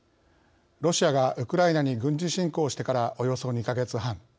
ロシアがウクライナに軍事侵攻してからおよそ２か月半。